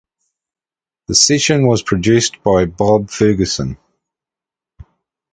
The session was produced by Bob Ferguson.